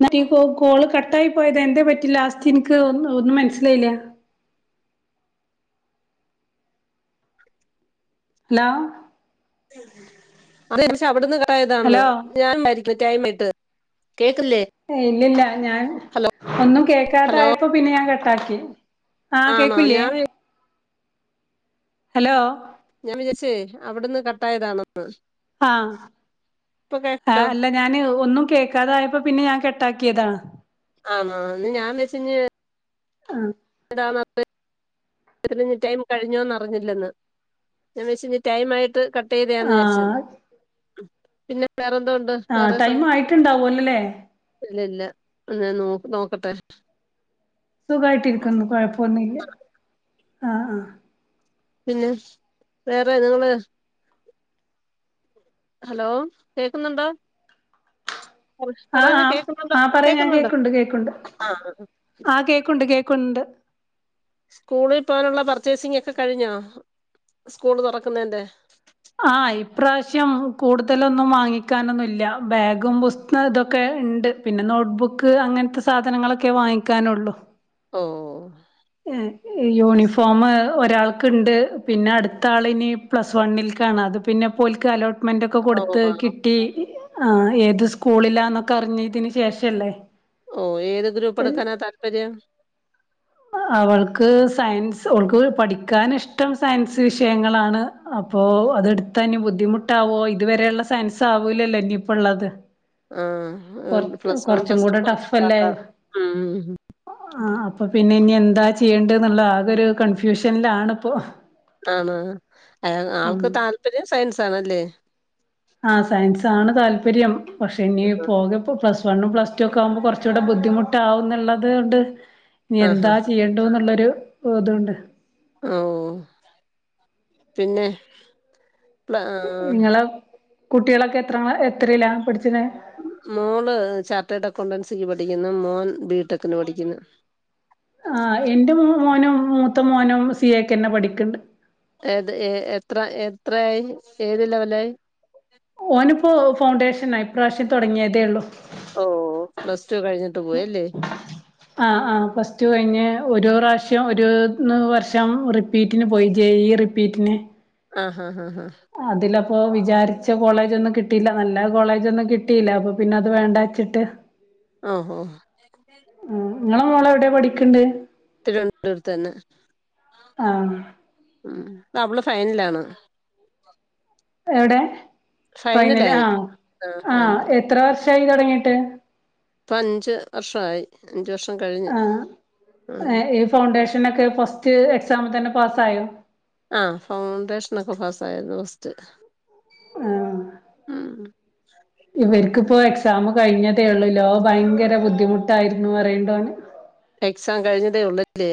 ന്നട്ട് ഈ കോ കോൾ കട്ടായിപോയതാ എന്താ പറ്റി ലാസ്റ്റ് ഇൻക്ക് ഒ ഒന്നും മനസിലായില്ല [inaudible] ഹലോ? അവൾ കണ്ട് പിടിച്ചാ അവ്ട്ന്ന് കട്ടായതാ എന്ന് ഹലോ ഞാൻ മരി ന്ന് ടയ്മിത് കേക്കില്ലേ ഇല്ലല്ല ഞാൻ ഹലോ ഒന്നും ഹലോ കേക്കാതായപ്പോ പിന്നെ ഞാൻ കട്ടാക്കി. ആഹ് ആണോ കേക്കൂല്ലേ ഞാൻ വി- ഹലോ? ഞാൻ വിചാരിച്ചേ അവിടുന്ന് കട്ടായതാണോന്ന് ആ ആ അല്ല ഞാന് ഒന്നും കേൾക്കാതായപ്പോ പിന്നെ ഞാൻ കട്ടാക്കിയതാ ആണോ ഞാൻ വെച്ച് ഇഞ്ഞ് ആഹ് [unintelligible] ഇഞ് ടൈം കഴിഞ്ഞോന്ന്റിഞ്ഞില്ലന്ന് ഞാൻ വെച്ച് ഇനി ടൈം ആയിട്ട് കട്ടാ ട്ടയ്താന്ന് വിചാരിച്ച് ആഹ് പിന്നെ വേറെന്തോണ്ട്. ആഹ് ടൈം ആയിട്ടുണ്ടാവൊ അല്ലല്ലേ ഇല്ല ഇല്ല എന്നൻ ഞാൻ നോക്കട്ടെ സുഖമായിട്ടിരിക്കുന്നു. കുഴപ്പമൊന്നുംഇല്ല ആഹ് ആഹ് പിന്നെ വേറെ നിങ്ങള് ഹലോ കേക്കുന്നുണ്ടോ? പറ- ആ പറയുന്ന ആ് കേക്കുന്നുണ്ടോ ആ പറയാ ഞാൻ കേക്കുന്നുണ്ടോ കേക്കുണ്ട് കേക്കുണ്ട് ആ ആ കേക്കുണ്ട് കേക്കുണ്ട് സ്കൂളിൽ പോകാനുള്ള പർച്ചേസിംങ് ഒക്കെ കഴിഞ്ഞോ സ്കൂൾ തുറക്കുന്നതിന്റെ. ആഹ് ഇപ്രാവശ്യം കൂടുതലൊന്നും വാങ്ങിക്കാനൊന്നുല്ല ബാഗും പുസ്തം ഇതൊക്കെ ഉണ്ട്. പിന്നെ നോട്ട് ബുക്ക് അങ്ങനത്തെ സാധനങ്ങളൊക്കെ വാങ്ങിക്കാനുള്ളു. ഓ യൂണിഫോം ഒരാൾക്കുണ്ട് പിന്നെ അടുത്ത ആളിനി പ്ലസ് വണ്ണിൽ കാണ് അത്. പിന്നെ പോൽക്ക് അലോട്ട് മെൻ്റൊക്കെ കൊടുത്ത് ഓ കിട്ടി ആ ഏത് സ്കൂളിലാന്നൊക്കെ അറിഞ്ഞതിന് ശേഷല്ലേ ഓ ഏത് ഗ്രൂപ്പ് എൽ- എടുക്കാനാ താല്പര്യം. അവൾക്ക് സയൻസ് അവൾക്ക് പഠിക്കാൻ ഇഷ്ടം സയൻസ് വിഷയങ്ങളാണ്. അപ്പോ അത എടുത്തന് ബുദ്ധിമുട്ടാവോ ഇതുവരെയുള്ള സയൻസ് ആവൂലല്ലോ ഇനിയിപ്പോ ഉള്ളത്. [inaudible] ആ പ്ലസ് വൺ പ്ലസ് ടു കുറച്ച് പാടാ ഉം ആ അപ്പൊ പിന്നെ ഇനി എന്താ ചെയ്യേണ്ട് എന്നുള്ള ആകെ ഒരു കൺഫ്യൂഷനിലണ് ഇപ്പൊ ആണോ അ ആൾക്ക് താല്പര്യം സയൻസ് ആണല്ലേ ആഹ് സയൻസ്സാണ് താല്പര്യം പക്ഷെ ഇനി പോകപ്പ പ്ലസ് വണ്ണും പ്ലസ് ടു റ്റക്ക് ആകുമ്പോൾ കുറച്ച് കൂടെ ബുദ്ധിമുട്ടാവുന്നുള്ളത് കൊണ്ട് ആഹാ എന്താ ചെയ്യേണ്ട ന്നുള്ളൊരു ഇതോണ്ട്. ഓ പിന്നെ പ്ല ആഹ് നിങ്ങള് കുട്ടികളൊക്കെ എത്ര എത്രയിലാ പഠിച്ചണെ മോള് ചാർട്ടേഡ് അക്കൗണ്ടൻസിക്ക് പഠിക്കുന്നു മോൻ ബിടെക്കിന് പഠിക്കുന്നു ആഹ് എന്റെ മോനും മൂത്ത മോനും സി എയിക്ക് തന്നെ പഠിക്കണ്ട് ഏത് എത്ര എത്രയായി ഏത് ലെവലായി ഓനിപ്പോ ഫൗണ്ടേഷനാ ഇപ്രാവശ്യം തുടങ്ങിയതേ ഉള്ളൂ ഓ പ്ലസ് ടു കഴിഞ്ഞിട്ട് പോയല്ലേ ആഹ് ആഹ് പ്ലസ്റ്റു കഴിഞ്ഞ് ഒരു പ്രാവശ്യം ഒരു വർഷം റി പ്പീറ്റിന് പോയി ജേ ഈ റിപ്പീറ്റിന് ആഹ് ഹാ ഹാ ഹാ അതിലപ്പോ വിചാരിച്ച കോളേജ് ഒന്നും കിട്ടിയില്ല നല്ല കോളേജ് ഒന്നും കിട്ടിയില്ല അപ്പൊ പിന്നെ അത് വേണ്ടാ വെച്ചിട്ട് [inaudible] ആഹ് ആഹ് ആഹ് നിങ്ങളെ മോള് എവിടെയാ പഠിക്കണ്ട് തിരുവനന്തപുരത്ത് തന്നെ ആഹ് ഉം അവള് ഫൈനലാണ് എവിടെ ഫൈനൽ ഫൈനലായി ആഹ് ആഹ് എത്ര വർഷായി തുടങ്ങിയിട്ട് ഇപ്പൊ അഞ്ച് വർഷായി അഞ്ച് വർഷം കഴി ആഹ് ഈ ഫൗണ്ടേഷനൊക്കെ ഫസ്റ്റ് എക്സാമിൽ തന്നെ പാസ് ആയോ ആഹ് ഫൗണ്ടേഷനൊക്കെ പാസ് ആയാരുന്നു ഫസ്റ്റ് ആഹ് ഉം. ഇവർക്കിപ്പോ എക്സാം കഴിഞ്ഞതേ ഉള്ളൂലോ ഭയങ്കര ബുദ്ധിമുട്ടായിരുന്നു പറയണ്ട് ഓന് എക്സാം കഴിഞ്ഞതേ ഉള്ളല്ലേ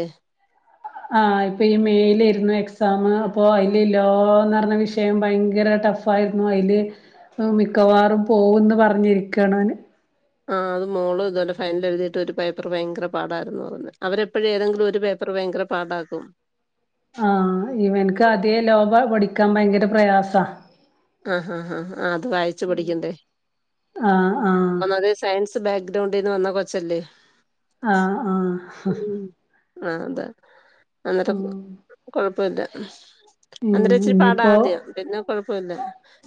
ആഹ് ഇപ്പൊ ഈ മേയിലായിരുന്നു എക്സാം അപ്പൊ അതില് എല്ലാം നടന്ന വിഷയം ഭയങ്കര ടഫ് ഫായിരുന്നു അതില് മിക്കവാറും പോകൂന്ന് പറഞ്ഞിരിക്കാണ് ഓന് ആഹ് അത് മോളും ഇതുപോലെ ഫൈനൽ എഴുതിയിട്ട് ഒരു പേപ്പർ ഭയങ്കര പാടായിരുന്നു പറഞ്ഞുന്നത് അവരെപ്പോഴും ഏതെങ്കിലും ഒരു പേപ്പറ് ഭയങ്കര പാടാക്കും ആഹ് ഇവനക്ക് ആദ്യേ ലോപഠിക്കാൻ ഭയങ്കര പ്രയാസാ ആഹ് ആഹ് ആഹ് അത് വായിച്ചു പടിക്കണ്ടേ ആഹ് ആഹ് ഒന്നാതേ സയൻസ് ബാക്ക്ഗ്രൗണ്ടീന്ന് വന്ന കൊച്ചല്ലേ ആഹ ആഹ് ആഹ് അതാ അന്നേരം ഉം കൊഴപ്പില്ല ഉം അന്നേരിച്ചിരി പാടാ ഇനിയിപ്പോ ആദ്യം പിന്നെ കുഴപ്പവില്ല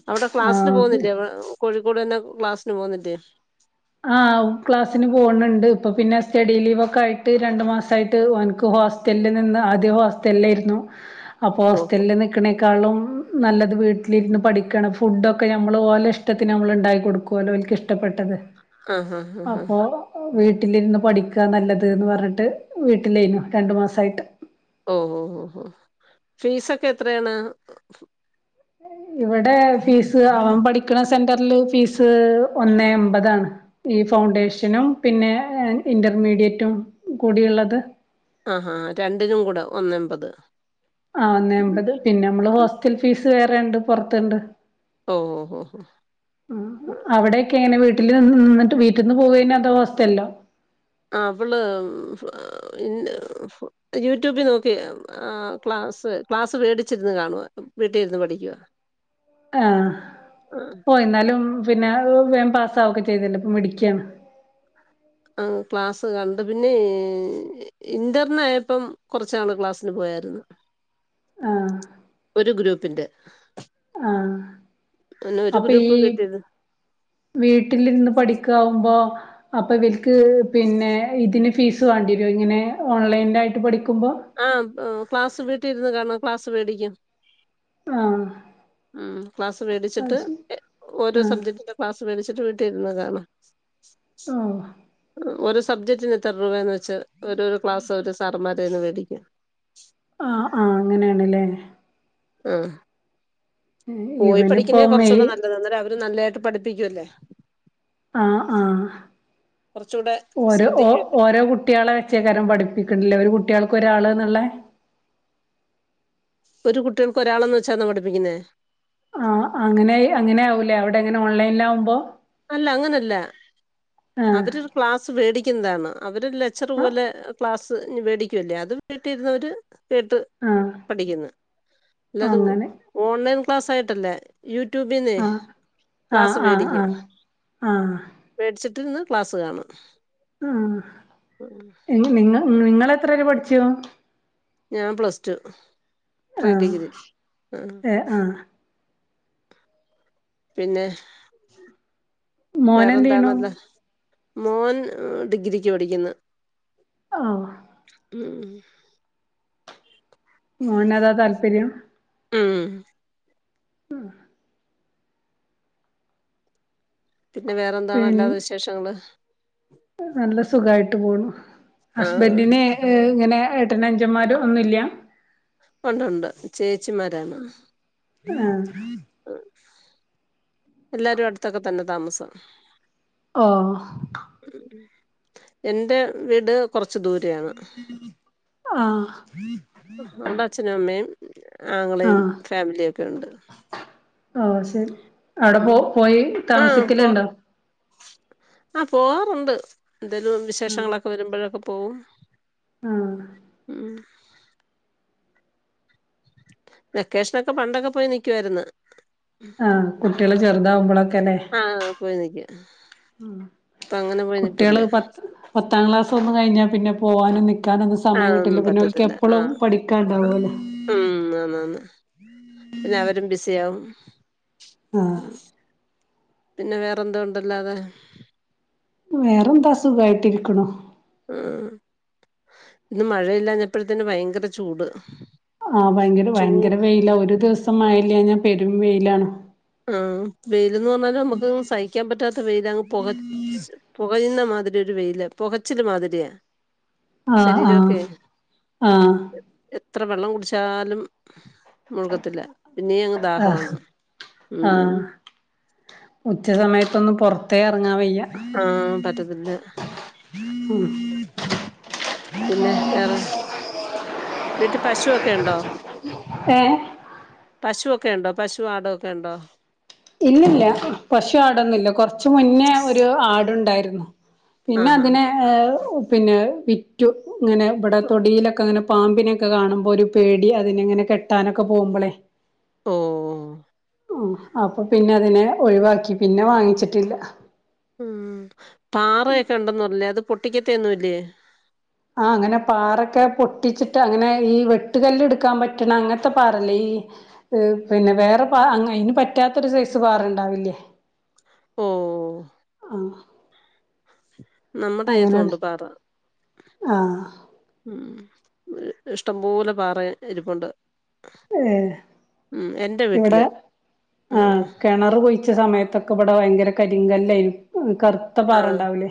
അവിടെ ക്ലാസ്സിന് ആഹ് പോകുന്നില്ലേ കോഴിക്കോട് തന്നെ ക്ലാസ്സിന് പോകുന്നില്ലേ ആഹ് ക്ലാസ്സിന് പോണുണ്ട് ഇപ്പൊ പിന്നെ സ്റ്റഡി ലീവ് ഒക്കെ ആയിട്ട് രണ്ടു മാസയിട്ട് അവനിക്ക് ഹോസ് സ്റ്റലിൽ നിന്ന് ആദ്യം ഹോസ്റ്റലിൽ ആയിരുന്നു അപ്പോ ഓ ഹോസ്റ്റലിൽ നിക്കണേ കാളും നല്ലത് വീട്ടിലിരുന്ന് പഠിക്കാണ് ഫുഡ് ഒക്കെ നമ്മള് ഓലെ ഇഷ്ടത്തിന് നമ്മൾ ഉണ്ടായി കൊടുക്കുവല്ലോ ഓൽക്ക് ഇഷ് ടപ്പെട്ടത് ഉം ഉം അപ്പോ വീട്ടിലിരുന്ന് പഠിക്കുകാ നല്ലതെന്ന് പറഞ്ഞിട്ട് വീട്ടിലേനു രണ്ടു മാസായിട്ട് ഓ ഓ ഓ ഫീസൊക്കെ എത്രയാണ് ഇവിടെ ഫീസ് അവൻ പഠിക്കണ സെന്ററിൽ ഫീസ് ഒന്നെ എമ്പതാണ് ഈ ഫൗണ്ടേഷനും പിന്നെ ഇന്റർമീഡിയേറ്റും കൂടിഉള്ളത് ആഹ് ഹാ രണ്ടിനും കൂടെ ഒന്നെമ്പത് ആഹ് ഒന്നെ എമ്പത് പിന്നെ നമ്മള് ഉം. ഹോസ്റ്റൽ ഫീസ് വേറെ ഉണ്ട് പുറത്തുണ്ട് ഓ ഹോ ഹോ ആഹ് ക്ക് എങ്ങനെ വീട്ടിൽ നി നിന്നിട്ട് വീട്ടീന്ന് പോകയാണോ അതോ ഹോസ്റ്റലിലോ ആഹ് അവള് യൂട്യൂബിൽ നോക്കി ആഹ് ക്ലാസ്സ് ക്ലാസ്സ് വേടിച്ചിരുന്ന് കാണുവ വീട്ടിലിരുന്ന് പഠിക്കുവാ ആഹ് ആ. ഓ എന്നാലും പിന്നെ വേഗം പാസ്സാവൊക്കെ ചെയ്തല്ല അപ്പ മിടിക്കിയാണ് ആഹ് ക്ലാസ്സ് കണ്ട് പിന്നെ ഇന്ററിനായപ്പം കുറച്ച് ക്ലാസ്സിന് പോയായിരുന്നു ആഹ് ഒരു ഗ്രൂപ്പിന്റെ ആഹ് പിന്നെ ഒരു അപ്പൊ ഗ്രൂപ്പ് ഈ വീട്ടിരുന്ന് വീട്ടിലിരുന്ന് പഠിക്കാവുമ്പോ അപ്പോ ഇവൽക്ക് പിന്നെ ഇതിന് ഫീസ് വേണ്ടിരോ ഇങ്ങനെ ഓൺലൈനായിട്ട് പഠിക്കുമ്പോ ആഹ് ക്ലാസ് വീട്ടിൽ ഇര്ന്ന് കാണം ക്ലാസ്സ് വെടിക്കും ആഹ് ഉം ക്ലാസ്സ് അത് വേടിച്ചിട്ട് ശരി ഓരോ ആഹ് സബ്ജക്ടി ക്ലാസ്സ് വെടിച്ചിട്ട് വീട്ടിരുന്ന് കാണാ ഓഹ് ഓരോ സബ്ജക്റ്റന് ഇത്ര രൂപയന്ന് വെച്ച ഒരുരു ക്ലാസ് ഒരു സാർമാരേന്ന് വേടിക്കും ആഹ് ആഹ് അങ്ങനെയാണ്ല്ലേ ആഹ് പോയി ഇവനിപ്പോ പഠിക്കുന്നേ മെയ് കുറച്ചൂടെ നല്ലത് അന്നേരം അവര് നല്ലേയിട്ട് പഠിപ്പിക്കുവല്ലേ ആഹ് ആഹ് കുറച്ചൂടെ ഓരോ ഓ ശ്രദ്ധിക്കുവല്ലേ ഓരോ കുട്ട്യാളെ ച്ചേക്കാരം പഠിപ്പിക്കണ്ല്ലേ ഒരു കുട്ട്യാൾക്ക് ഒരാള് ന്ന്ള്ളേ ഒരു കുട്ട്യാൾക്ക് ഒരാളെന്ന് വെച്ചാണോ പഠിപ്പിക്കുന്നേ ആഹ് അങ്ങനെ അങ്ങനെ ആവൂലേ അവിടെ അങ്ങനെ ഓൺലൈനിൽ ആവുമ്പോ അല്ല അങ്ങനല്ല ആഹ് അവരൊരു ക്ലാസ് വേടിക്കുന്നതാണ് അവര് ലെക്ച്ചറ് ആഹ് പോലെ ക്ലാസ് വേടിക്കുവല്ലേ അത് വീട്ടിലിരുന്നവര് കേട്ട് ആഹ് പഠിക്കുന്നു അല്ലാത അങ്ങനെ ഓൺലൈൻ ക്ലാസ് ആയിട്ടല്ലാ യൂട്യൂബിന്നേ ആഹ് ആഹ് ക്ലാസ് ആഹ് വേടിക്കും ആഹ് ആഹ് വേടിച്ചിട്ട് ഇരുന്ന് ക്ലാസ് കാണും ഉം ഇ നി നിങ്ങള് നിങ്ങളെത്ര വരെ പഠിച്ചു ഞാൻ പ്ലസ് ടു പ്രീ ആഹ് ഡിഗ്രി ആഹ് ഏഹ് ആഹ് പിന്നെ മോനെന്തെയ്യ്ണു വേറെന്താണള്ളെ മോൻ ഡിഗ്രിക്ക് പഠിക്കുന്നു ഓഹ് ഉം മോനതാ താല്പര്യം ഉം ഉം പിന്നെ വേറെ എന്താണ് പിൻ അല്ലാതെ വിശേഷങ്ങള് നല്ല സുഖായിട്ട് പോണു ആഹ് ഹസ്ബന്റിനെ ഏഹ് ഇങ്ങനെ ഏട്ടനും അനുഞ്ചന്മാരും ഒന്നുല്ല്യാ ഒണ്ടുണ്ട് ചേച്ചിമാരാണ് ആഹ് എല്ലാരും അടുത്തൊക്കെ തന്നെ താമസം ഓ എന്റെ വീട് കൊറച്ച് ദൂരെ യാണ് ആഹ് അവിടെ അച്ഛനും അമ്മേം ആങ്ങളെയും ആഹ് ഫാമിലിയൊക്കെ ഒണ്ട് ഓ ശെരി അവടെ ഉം പോ പോയി ആഹ് പോ താമസിക്കലുണ്ടോ ആഹ് പോവാറുണ്ട് എന്തേലും വിശേഷങ്ങളൊക്കെ വരുമ്പോഴൊക്കെ പോവും ആഹ് ഉം വെക്കേഷനൊക്കെ പണ്ടൊക്കെ പോയി നിൽക്കുവായിരുന്നു ആഹ് കുട്ടികള് ചെറുതാവുമ്പോളൊക്കെല്ലേ ആഹ് പോയി നിക്കും അപ്പം അങ്ങനെ പോയി നിക്കും കുട്ട്യാള് പത് പത്താം ക്ലാസ്സൊന്നും കഴിഞ്ഞാ പിന്നെ പോവാനും നിക്കാനൊന്നും സ സമയം ആഹ് ഒന്നും കിട്ടൂല്ല പിന്നെ ഓൽക്ക് പറ്റത്തില്ല എപ്പളും ആഹ് പഠിക്കാണ്ടാവൊലൊ ഉം ആന്നാന്ന് പിന്നെ അവരും ബിസിയാവും ആഹ് പിന്നെ വേറെന്തുണ്ട് അല്ലാതെ വേറെന്താ സുഖയിട്ടിരിക്കണു ഉം ഇന്ന് മഴയില്ലാഞ്ഞപ്പഴ് ത്ത്ന് ഭയങ്കര ചൂട് ആ ഭയങ്കര ചൂ ഭയങ്കര വെയില ഒരു ദിവസം മഴയില്യാഞ്ഞാ പെരും വെയിലാണ് ആ വെയിലന്ന് പറഞ്ഞാൽ നമുക്ക് സഹിക്കാൻ പറ്റാത്ത വെയിലാ അങ്ങ് പുക ച്ച് പുകയുന്ന മാതിരി ഒരു വെയിലാ പുകച്ചില് മാതിരിയാ ആഹ് ആഹ് ശരീരൊക്കെ ആഹ് എത്ര വെള്ളം കുട്ച്ചാലും മുഴ്കത്തില്ല പിന്നെ അങ്ങ് ദാഹമാണ് ആ ഉച്ച സമയത്തൊന്നും പുറത്തേ ഇറങ്ങാൻ വയ്യ ഉം പറ്റത്തില്ല ഉം പിന്നെ വേറെ വീട്ടി പശുവൊക്കെ ഉണ്ടോ ഏഹ് പശുവൊക്കെ ഉണ്ടോ പശു ആടൊക്കെ ഉണ്ടോ ഇല്ലില്ല പശു ആടൊന്നുല്ല കൊറച്ച് മുന്നേ ഒരു ആടുണ്ടായിരുന്നു പിന്നെ ആഹ് ഹാ അതിനെ പിന്നെ വിറ്റു ങ്ങനെ ഇവിടെ തൊടിയിലൊക്കെ ങ്ങനെ പാമ്പിനൊക്കെ കാണുമ്പോ ഒരു പേടി. അതിനങ്ങനെ കെട്ടാനൊക്കെ പോകുമ്പളെ ഓ ഉം അപ്പൊ പിന്നെ അതിനെ ഒഴിവാക്കി പിന്നെ വാങ്ങിച്ചിട്ടില്ല ഉം പാറയൊക്കെ ഉണ്ടന്ന് പർഞ്ഞില്ലേ അത് പൊട്ടിക്കത്തെഒന്നു ഇല്ലേ ആ അങ്ങനെ പാറൊക്കെ പൊട്ടിച്ചിട്ട് അങ്ങനെ ഈ വെട്ടുകല്ല് ടുക്കാൻ പറ്റണ അങ്ങനത്തെ പാറല്ല ഈ പിന്നെ വേറെ പാ അയ്ന് പറ്റാത്തൊരു സൈസ് പാറ ഉണ്ടാവില്ല്യെ ഓ ആഹ് നമ്മുടെ യ്യത്തും അങ്ങനെയാണ് ഉണ്ട് പാറ ആഹ് ഉം ഇഷ്ടംപോലെ പാറ ഇരിപ്പുണ്ട്. ഏ ഉം എന്റെ ഇവിടെ വീട്ടില് ആ ഉം കിണർ കുഴി ച്ച സമയത്തൊക്കെ ഇവിടെ ഭയങ്കര കരിങ്കല്ല് എയ്നു കറു ത്ത പാറ ആഹ് ഉണ്ടാവൂലേ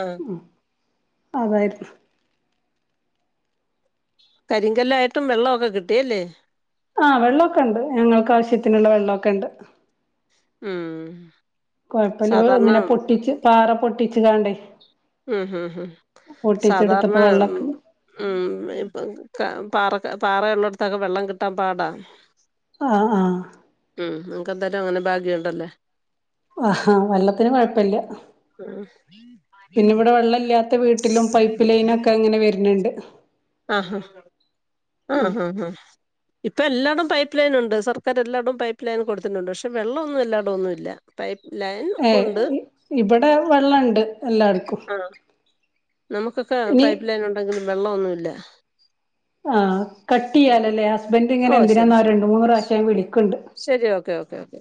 ആഹ് ഉം അതായിരുന്നു. കരിങ്കല്ല് ആയിട്ടും വെള്ളവൊക്കെ കിട്ടിയല്ലേ. ആ വെള്ളക്കെണ്ട് ഞങ്ങൾക്ക് ആവശ്യത്തിനുള്ള വെള്ളക്കെണ്ട് ഉം കൊഴപ്പില്ല സാധാരണ ഇങ്ങനെ പൊട്ടിച്ച് പാറ പൊട്ടിച്ച്ങ്ങാണ്ട് ഉം ഹും ഹും സാധാർണ പൊട്ടിച്ചെടുത്തപ്പോ വെള്ളൊക്കെ ഉം ഇപ്പ ക പാറക പാറയുള്ളടുത്തൊക്കെ വെള്ളം കിട്ടാൻ പാടാ ആഹ് ആഹ് ഉം നിങ്ങക്ക് എന്തായാലും അങ്ങനെ ഭാഗ്യയുണ്ടല്ലേ അഹാ വെള്ളത്തിന് കുഴപ്പില്ല്യ ഉം പിന്നെ ഇവിടെ വെള്ളല്ല്യാ ത്തെ വീട്ടിലും പൈപ്പ് ലൈനൊക്കെ അങ്ങനെ വരുന്നുണ്ട് ആഹ് ആഹ് ആഹ് ആഹ് ഇപ്പൊ എല്ലായിടും പൈപ്പ് ലൈൻ ഉണ്ട് സർക്കാർ എല്ലാടവും പൈപ്പ് ലൈൻ കൊടുത്തിട്ടുണ്ട്. പക്ഷെ വെള്ളം ഒന്നും എല്ലായിടും ഒന്നും ഇല്ല പൈപ്പ് ലൈൻ ഏ കൊണ്ട് ഇബ്ടെ വെള്ളംണ്ട് ആ നമുക്കൊക്കെ ഇനി പൈപ്പ് ലൈൻ ഉണ്ടെങ്കിലും വെള്ളം ഒന്നുമില്ല ആ കട്ട്യ്യാലലേ ഹസ്ബൻഡ്ങ്ങനെ ഓ ശരി എന്തിനാന്നാവം ശരി രണ്ട് മൂന്ന് പ്രാവശ്യായി വിളിക്ക്ണ്ട് ശരി ഓക്കെ ഓക്കെ ഓക്കെ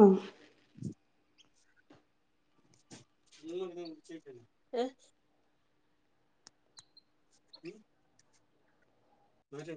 ആഹ് ഏ ഉം ആരാണ്